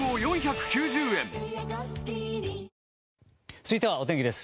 続いては、お天気です。